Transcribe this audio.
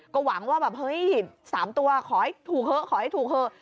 ก็หวังว่าแบบเฮ้ย๓ตัวขอให้ถูกเถอะขอให้ถูกเถอะ